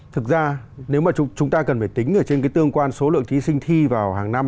thực ra nếu mà chúng ta cần phải tính ở trên cái tương quan số lượng thí sinh thi vào hàng năm